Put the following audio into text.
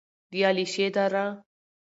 د علیشې دره: